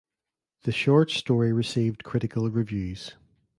The short story received critical reviews.